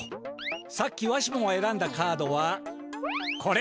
さっきわしもがえらんだカードはこれ！